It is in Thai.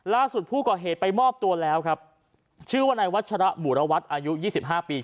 ล่าสุดผู้ก่อเหตุไปมอบตัวแล้วครับชื่อว่านายวัชระบุรวัตรอายุยี่สิบห้าปี